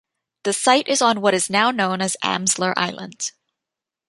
The site is on what is now known as Amsler Island.